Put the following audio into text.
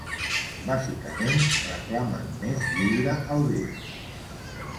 Bàsicament, reclamen més "lliure albir".